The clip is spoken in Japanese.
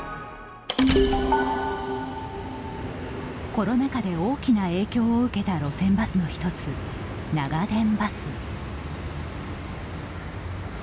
コロナ禍で大きな影響を受けた路線バスのひとつ、長電バス。